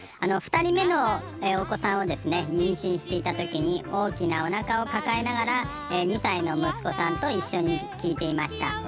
２人目のお子さんをですね妊娠していたときに大きなおなかを抱えながら２歳の息子さんと一緒に聴いていました。